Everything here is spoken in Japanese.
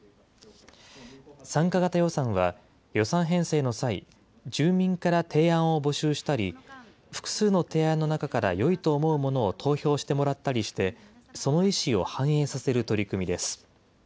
参加型予算は、予算編成の際、住民から提案を募集したり、複数の提案の中からよいと思うものを投票してもらったりして、その意思を反映させる取り組みです。